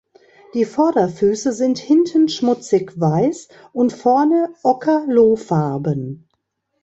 Die Vorderfüße sind hinten schmutzig weiß und vorne ocker-lohfarben.